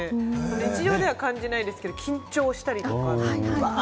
日常では感じないですけれども、緊張をしたりだとか。